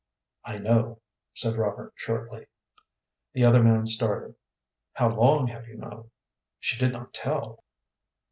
"I know," said Robert, shortly. The other man started. "How long have you known she did not tell?"